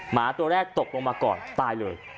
หมาตัวแรกตกลงมาก่อนตายเลย